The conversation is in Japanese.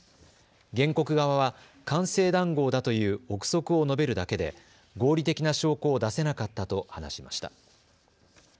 原告側は官製談合だという臆測を述べるだけで合理的な証拠を出せなかったと話しました。